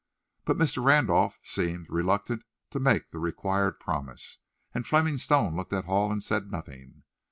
But Mr. Randolph seemed reluctant to make the required promise, and Fleming Stone looked at Hall, and said nothing.